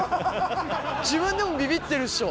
自分でもビビってるっしょ。